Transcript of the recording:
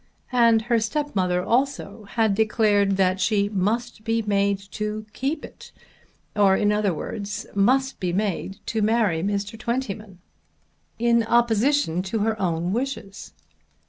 And her stepmother also had declared that she "must be made to help it," or in other words be made to marry Mr. Twentyman in opposition to her own wishes!